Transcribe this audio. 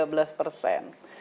tiga belas persen